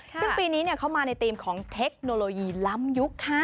ซึ่งปีนี้เข้ามาในธีมของเทคโนโลยีล้ำยุคค่ะ